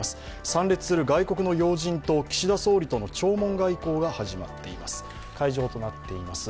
参列する外国の要人と岸田総理との弔問外交が始まっています。